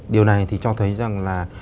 điều này thì cho thấy rằng là